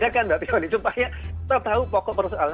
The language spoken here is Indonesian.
dibedakan mbak tiffany supaya kita tahu pokok persoalannya